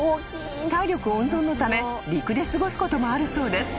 ［体力温存のため陸で過ごすこともあるそうです］